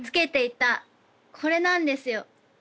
これなんですよ。